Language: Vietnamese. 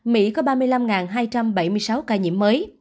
mỹ có ba mươi năm hai trăm bảy mươi sáu ca nhiễm mới